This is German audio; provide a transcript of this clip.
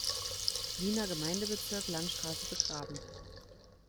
Wiener Gemeindebezirk Landstraße begraben.